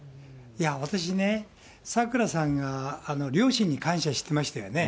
私ね、さくらさんが両親に感謝してましたよね。